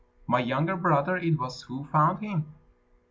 My younger brother it was who found him."